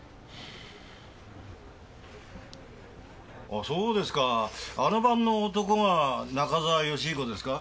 あそうですかあの晩の男が中澤良彦ですか。